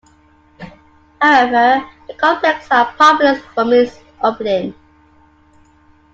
However, the complex had problems from its opening.